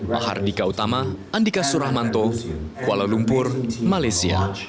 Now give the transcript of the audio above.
mahardika utama andika suramanto kuala lumpur malaysia